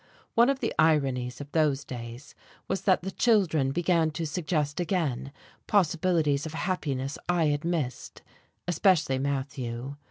One of the ironies of those days was that the children began to suggest again possibilities of happiness I had missed especially Matthew.